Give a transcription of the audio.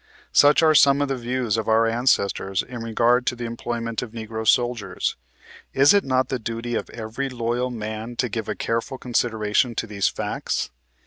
Such are some of the views of our ancestors in regard to the employ ment of Negro soldiers. Is it not the duty of every loyal man to give a careful consideration to these facts